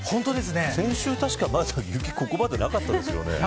先週確か雪ここまでなかったですよね。